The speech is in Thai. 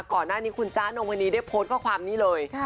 ก่อนหน้านี้คุณจ๊ะนงมณีได้โพสต์ข้อความนี้เลย